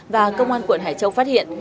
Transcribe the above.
và công an quận hải châu phát hiện